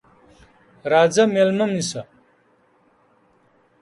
راځه مېلمه مې سه!